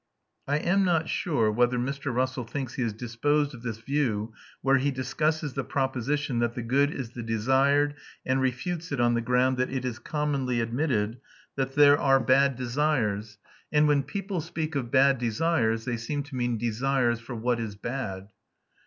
I am not sure whether Mr. Russell thinks he has disposed of this view where he discusses the proposition that the good is the desired and refutes it on the ground that "it is commonly admitted that there are bad desires; and when people speak of bad desires, they seem to mean desires for what is bad."